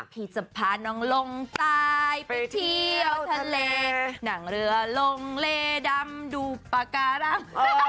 พี่จะพาน้องลงใต้ไปเที่ยวทะเลหนังเรือลงเลดำดูปากการัง